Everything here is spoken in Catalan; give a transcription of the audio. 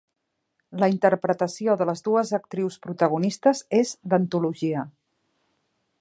La interpretació de les dues actrius protagonistes és d'antologia.